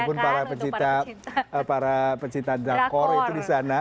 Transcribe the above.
bagaimana drama korea ataupun para pecinta drakor itu di sana